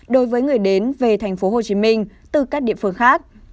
đối với người đến về tp hcm từ các địa phương khác